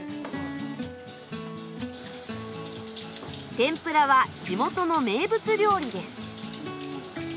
天ぷらは地元の名物料理です。